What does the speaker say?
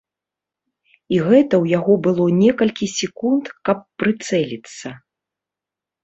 І гэта ў яго было некалькі секунд, каб прыцэліцца.